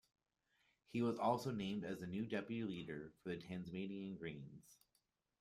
He was also named as the new deputy leader of the Tasmanian Greens.